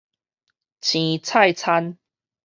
生菜餐